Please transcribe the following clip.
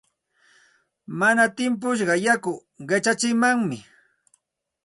Mana timpushqa yaku qichatsimanmi.